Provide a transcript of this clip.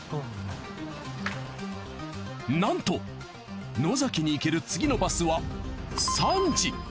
なんと野崎に行ける次のバスは３時！